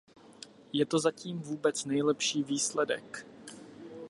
Je to zatím vůbec nejlepší výsledek.